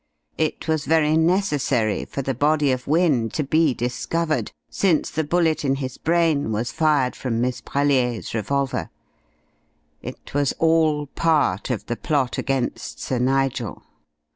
It was very necessary for the body of Wynne to be discovered, since the bullet in his brain was fired from Miss Brellier's revolver. It was all part of the plot against Sir Nigel.